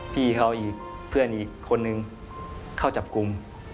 พี่เขาอีกเพื่อนอีกคนนึงเข้าจับกลุ่ม